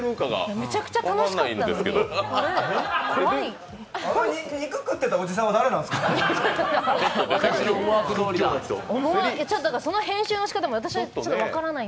めちゃくちゃ楽しかったのに怖い。